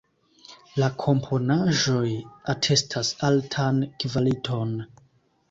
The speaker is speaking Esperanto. La komponaĵoj atestas altan kvaliton.